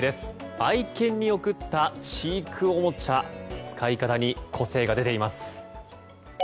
愛犬に贈った知育おもちゃ使い方に個性が出ています。